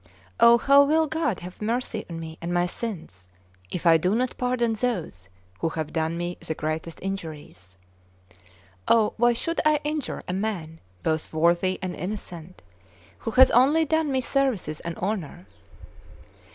Oh, how will God have mercy on me and my sins if I do not pardon those who have done me the greatest injuries? Oh, why should I injure a man both worthy and innocent, who has only done me services and honour?